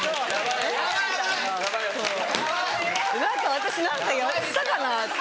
私何かやったかなって。